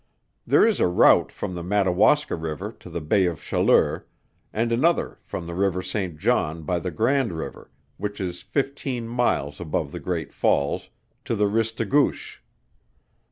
There is a route from the Madawaska river to the Bay of Chaleur, and another from the river St. John by the Grand River, which is fifteen miles above the Great Falls, to the Ristagouche.